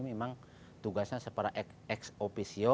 memang tugasnya seperti ex officio